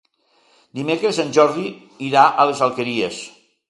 Dimecres en Jordi irà a les Alqueries.